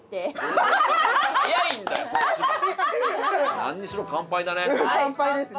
何にしろ乾杯だね。